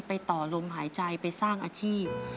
ต่อลมหายใจไปสร้างอาชีพ